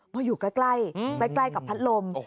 พออยู่ใกล้ใกล้กับพัดลม